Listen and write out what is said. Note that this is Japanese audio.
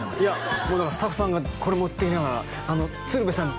もうだからスタッフさんがこれ持ってきながらあの鶴瓶さん